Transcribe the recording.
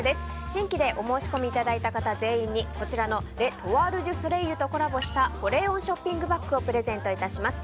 新規でお申し込みいただいた方全員に、こちらのレ・トワール・デュ・ソレイユとコラボした保冷温ショッピングバッグをプレゼント致します。